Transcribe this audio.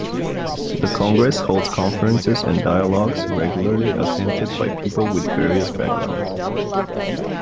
The Congress holds conferences and dialogues, regularly, attended by people with various backgrounds.